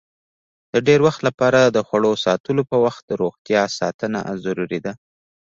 د ډېر وخت لپاره د خوړو ساتلو په وخت روغتیا ساتنه ضروري ده.